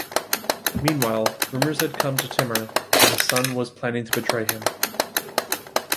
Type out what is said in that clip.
Meanwhile, rumors had come to Timur that his son was planning to betray him.